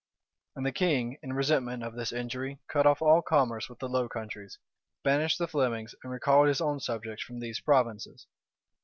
And the king, in resentment of this injury, cut off all commerce with the Low Countries, banished the Flemings, and recalled his own subjects from these provinces.